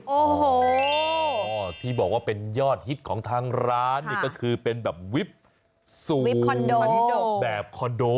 โอ้โหที่บอกว่าเป็นยอดฮิตของทางร้านนี่ก็คือเป็นแบบวิปสูตรแบบคอนโด